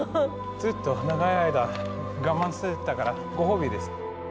ずっと長い間我慢してたからご褒美です。